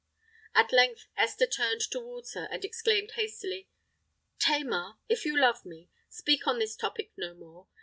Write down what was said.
At length Esther turned towards her, and exclaimed hastily, "Tamar—if you love me, speak on this topic no more.